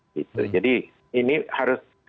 gitu jadi ini harus